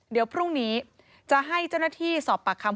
เดี๋ยวพรุ่งนี้จะให้เจ้าหน้าที่สอบปากคำ